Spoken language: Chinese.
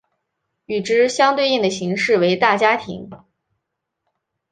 与之相对应的形式为大家庭。